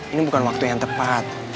ini bukan waktu yang tepat